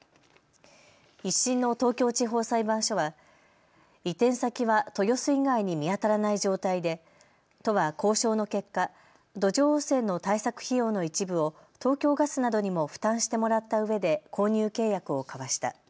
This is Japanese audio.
１審の東京地方裁判所は移転先は豊洲以外に見当たらない状態で都は交渉の結果、土壌汚染の対策費用の一部を東京ガスなどにも負担してもらったうえで購入契約を交わした。